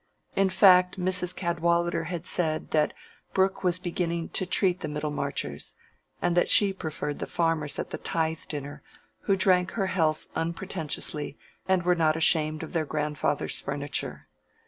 In fact, Mrs. Cadwallader said that Brooke was beginning to treat the Middlemarchers, and that she preferred the farmers at the tithe dinner, who drank her health unpretentiously, and were not ashamed of their grandfathers' furniture.